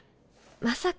まさか。